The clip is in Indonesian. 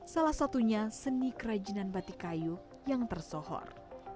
salah satunya seni kerajinan batik kayu yang tersohor